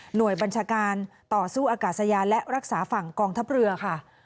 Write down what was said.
บัญชาการต่อสู้อากาศยานและรักษาฝั่งกองทัพเรือค่ะ